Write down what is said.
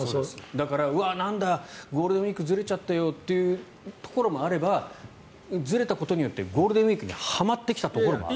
だからゴールデンウィークずれちゃったよというところもあればずれたことによってゴールデンウィークにはまってきたところもある。